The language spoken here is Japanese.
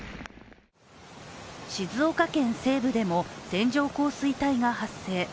静岡県西部でも線状降水帯が発生。